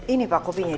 ini pak kopinya